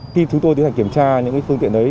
khi chúng tôi tiến hành kiểm tra những phương tiện đấy